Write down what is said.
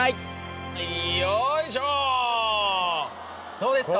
どうですか？